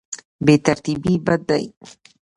بې ترتیبي بد دی.